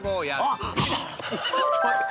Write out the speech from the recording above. ◆あっ！